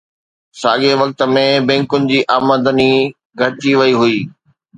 ساڳئي وقت ۾، بينڪن جي آمدني گهٽجي وئي هئي